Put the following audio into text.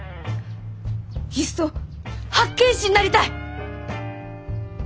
いっそ八犬士になりたい！